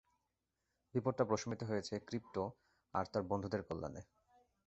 বিপদটা প্রশমিত হয়েছে, ক্রিপ্টো আর তার বন্ধুদের কল্যাণে।